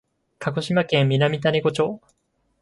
鹿児島県南種子町